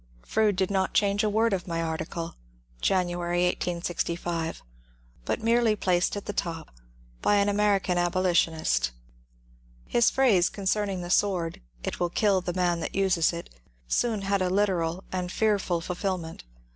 Froude did not change a word of my article (January, 1865), but merely placed at the top — "By an American Abolitionist." His phrase concerning the sword, " it will kill the man that uses it," soon had a literal and fearful fulfilment.